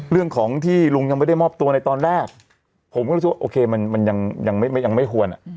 เรื่องของที่ลุงยังไม่ได้มอบตัวในตอนแรกผมก็รู้สึกว่าโอเคมันยังไม่ควร